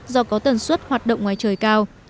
do có tần suất hoạt động ngoài trời cao